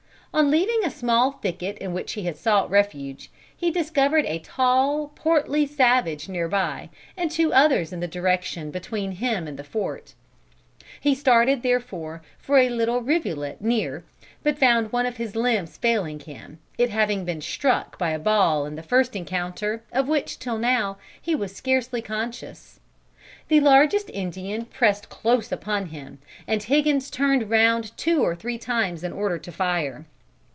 On leaving a small thicket in which he had sought refuge, he discovered a tall, portly savage near by, and two others in the direction between him and the fort. "He started, therefore, for a little rivulet near, but found one of his limbs failing him, it having been struck by a ball in the first encounter, of which, till now, he was scarcely conscious. The largest Indian pressed close upon him, and Higgins turned round two or three times in order to fire.